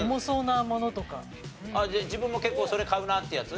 じゃあ自分も結構それ買うなっていうやつ？